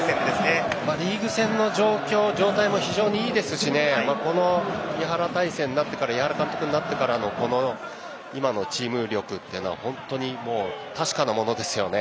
リーグ戦の状態も非常にいいですし井原体制になってからの今のチーム力というのは本当に確かなものですよね。